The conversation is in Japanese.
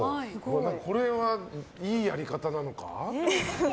これはいいやり方なのか？